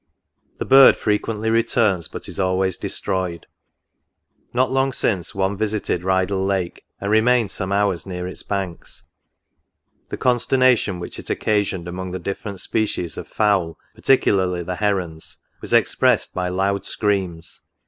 The bird frequently returns, but is always destroyed. Not long since one visited Rydal Lake, and remained some hours near its banks ; the con sternation which it occasioned among the different species of fowl, particularly the herons, was expressed by loud screams.